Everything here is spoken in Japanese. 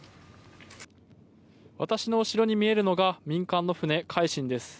私の後ろに見えるのが民間の船「海進」です。